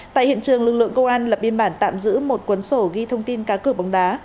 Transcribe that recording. tại hiện trường lực lượng công an lập biên bản tạm giữ một cuốn sổ ghi thông tin cá cửa bóng đá